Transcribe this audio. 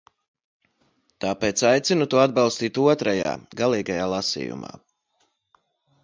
Tāpēc aicinu to atbalstīt otrajā, galīgajā, lasījumā!